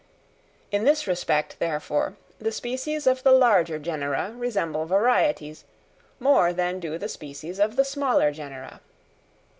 In this respect, therefore, the species of the larger genera resemble varieties, more than do the species of the smaller genera.